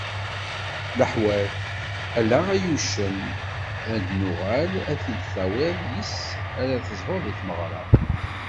Leḥwat: Ala ay uccen ad nuγal ad t-id-tawiḍ yis-s ara tezhud di tmeγra.